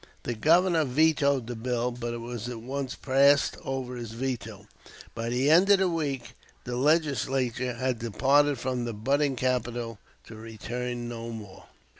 The Governor vetoed the bill, but it was at once passed over his veto. By the end of the week the Legislature had departed from the budding capital to return no more.